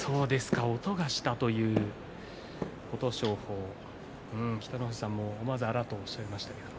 音がしたという琴勝峰、北の富士さんも思わずあらとおっしゃいました。